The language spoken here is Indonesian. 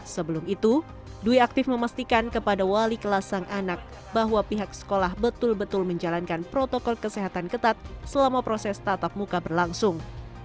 sebelum itu dwi aktif memastikan kepada wali kelas sang anak bahwa pihak sekolah betul betul menjalankan protokol kesehatan ketat selama proses tatap muka berlangsung